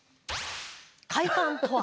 快感とは。